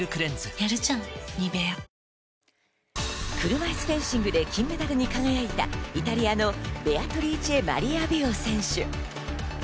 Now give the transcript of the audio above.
車いすフェンシングで金メダルに輝いたイタリアのベアトリーチェ・マリア・ビオ選手。